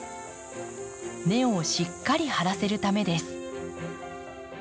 根をしっかり張らせるためです。